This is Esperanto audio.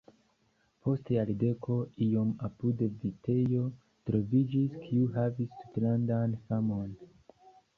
Post jardeko iom apude vitejo troviĝis, kiu havis tutlandan famon.